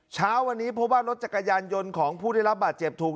เช้าวันนี้เพราะว่ารถจักรยานยนต์ของผู้ได้รับบาดเจ็บถูก